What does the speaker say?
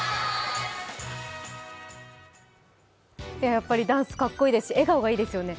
やっぱりダンスかっこいいですし笑顔がいいですね。